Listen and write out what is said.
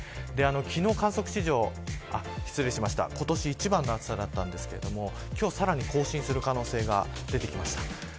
昨日今年一番の暑さだったんですが今日さらに更新する可能性が出てきました。